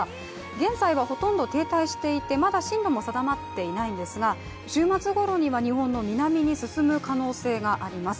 現在ほとんど停滞していてまだ進路も定まっていないんですが、週末ごろには日本の南に進む可能性があります。